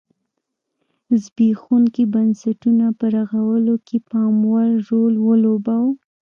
زبېښونکي بنسټونه په رغولو کې پاموړ رول ولوباوه.